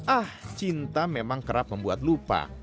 ah cinta memang kerap membuat lupa